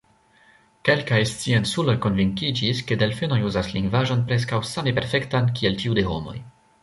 Kelkaj scienculoj konvinkiĝis, ke delfenoj uzas lingvaĵon preskaŭ same perfektan, kiel tiu de homoj.